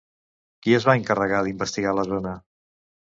Qui es va encarregar d'investigar la zona?